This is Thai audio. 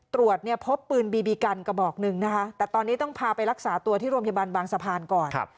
ตรวจเนี่ยพบปืนบีบีกันกระบอกหนึ่งนะคะแต่ตอนนี้ต้องพาไปรักษาตัวที่โรงพยาบาลบางสะพานก่อน